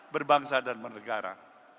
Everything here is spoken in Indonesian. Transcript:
berbangsa dan negara